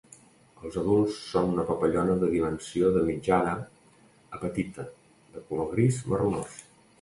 Els adults són una papallona de dimensió de mitjana a petita, de color gris marronós.